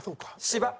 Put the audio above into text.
芝。